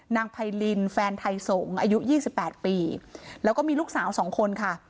นางภัยลินแฟนไทยสงอายุยี่สิบแปดปีแล้วก็มีลูกสาวสองคนค่ะ